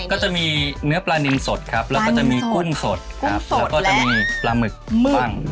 ก็จะมีเนื้อปลานินสดครับแล้วก็จะมีกุ้งสดครับแล้วก็จะมีปลาหมึกบ้าง